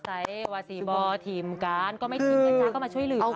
ใส่วาสีบอร์ทีมการก็ไม่จริงนะจ๊ะก็มาช่วยหลืมค่ะ